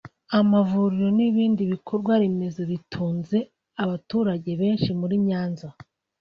amavuriro n’ibindi bikorwaremezo bitunze abaturage benshi muri Nyanza